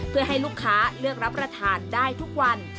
เพื่อให้ลูกค้าเลือกรับประทานได้ทุกวัน